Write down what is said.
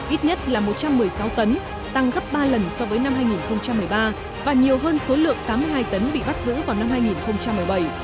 ít nhất là một trăm một mươi sáu tấn tăng gấp ba lần so với năm hai nghìn một mươi ba và nhiều hơn số lượng tám mươi hai tấn bị bắt giữ vào năm hai nghìn một mươi bảy